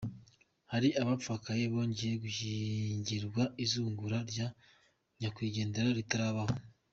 Hari abapfakaye bongera gushyingirwa izungura rya nyakwigendera ritarabaho.